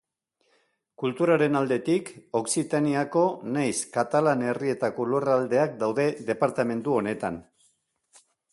Kulturaren aldetik, Okzitaniako nahiz Katalan Herrietako lurraldeak daude departamendu honetan.